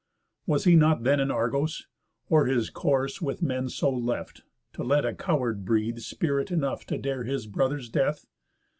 Was he not then in Argos? or his course With men so left, to let a coward breathe Spirit enough to dare his brother's death?"